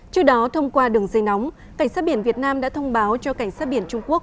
trước đó thông qua đường dây nóng cảnh sát biển việt nam đã thông báo cho cảnh sát biển trung quốc